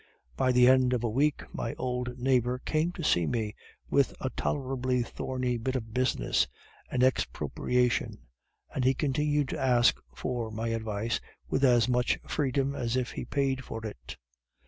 "By the end of a week my old neighbor came to see me with a tolerably thorny bit of business, an expropriation, and he continued to ask for my advice with as much freedom as if he paid for it.